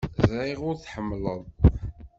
Ẓriɣ ur aɣ-tḥemmleḍ.